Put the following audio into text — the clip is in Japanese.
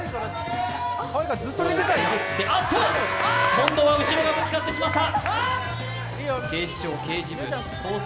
今度は後ろがぶつかってしまった。